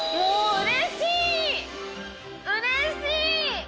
うれしい！